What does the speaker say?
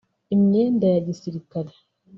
imyenda ya gisirikare